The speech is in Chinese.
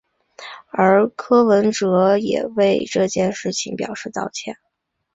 而柯文哲也为这一事件表示道歉。